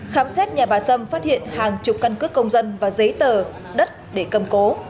khám xét nhà bà sâm phát hiện hàng chục căn cứ công dân và giấy tờ đất để cầm cố